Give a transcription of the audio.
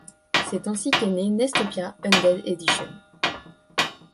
C'est ainsi qu'est né Nestopia Undead Edition.